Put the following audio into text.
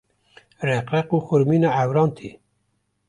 req req û xurmîna ewran tê.